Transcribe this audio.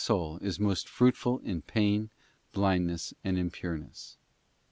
Book soul is most fruitful in pain, blindness, and impureness.